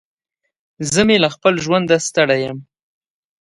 زه مې له خپل ژونده ستړی يم.